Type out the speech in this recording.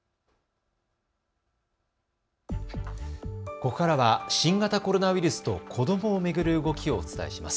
ここからは新型コロナウイルスと子どもを巡る動きをお伝えします。